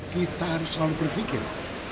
kita harus selalu berpikir